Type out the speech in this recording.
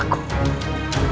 mencoba mengobati lukaku